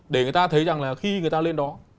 để người ta thấy rằng là khi người ta lên đó